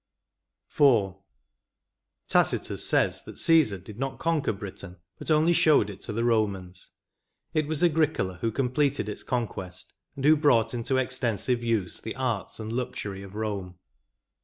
IV. Tacitus says that Caesar did not conquer Britain, but only showed it to the Romans ; it was Agricola who completed its conquest, and who brought into extensive use the arts and luxury of Eome.